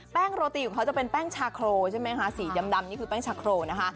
โรตีของเขาจะเป็นแป้งชาโครใช่ไหมคะสีดำนี่คือแป้งชาโครนะคะ